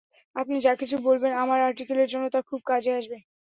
আপনি যা কিছু বলবেন আমার আর্টিকেলের জন্য তা খুব কাজে আসবে।